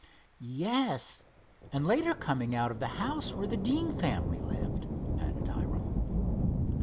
"Yes, and later coming out of the house where the Deane family lived," added Hiram.